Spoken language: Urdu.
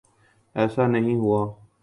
ایسا نہیں ہوا۔